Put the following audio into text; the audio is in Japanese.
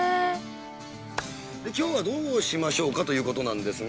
きょうはどうしましょうかということなんですが。